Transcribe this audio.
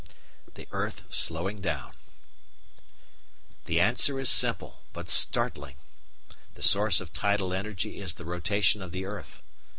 The Earth Slowing down The answer is simple, but startling. _The source of tidal energy is the rotation of the earth.